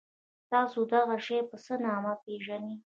تاسو دغه شی په څه نامه پيژنی؟